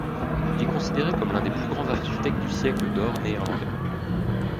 Il est considéré comme l'un des plus grands architectes du siècle d'or néerlandais.